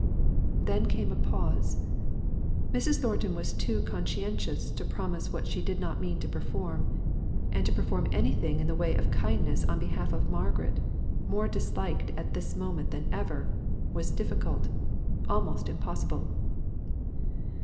Then came a pause. Mrs. Thornton was too conscientious to promise what she did not mean to perform; and to perform anything in the way of kindness on behalf of Margaret, more disliked at this moment than ever, was difficult; almost impossible.